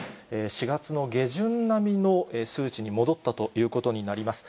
４月の下旬並みの数値に戻ったということになります。